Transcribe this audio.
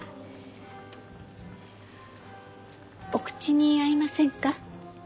お口に合いませんか？